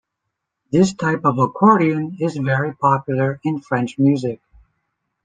This type of accordion is very popular in French music.